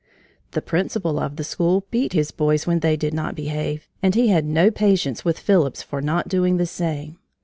The principal of the school beat his boys when they did not behave, and he had no patience with Phillips for not doing the same.